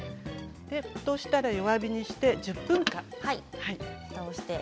沸騰したら弱火にして１０分間。